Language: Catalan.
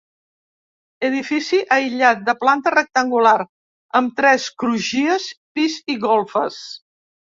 Edifici aïllat, de planta rectangular, amb tres crugies, pis i golfes.